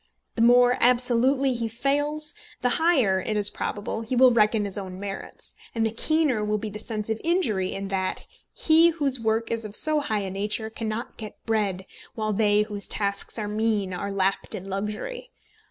The more absolutely he fails, the higher, it is probable, he will reckon his own merits; and the keener will be the sense of injury in that he whose work is of so high a nature cannot get bread, while they whose tasks are mean are lapped in luxury.